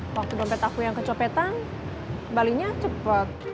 waktu dompet aku yang kecopetan balinya cepat